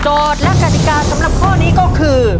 และกติกาสำหรับข้อนี้ก็คือ